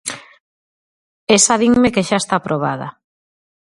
Esa dinme que xa está aprobada.